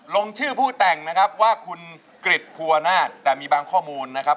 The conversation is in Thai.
ลงชื่อผู้แต่งนะครับว่าคุณกริจภูวนาศแต่มีบางข้อมูลนะครับ